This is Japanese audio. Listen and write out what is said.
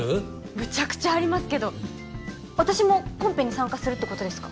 ムチャクチャありますけど私もコンペに参加するってことですか？